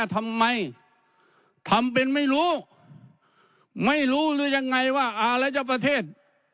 ทำไมทำเป็นไม่รู้ไม่รู้หรือยังไงว่าอารยประเทศ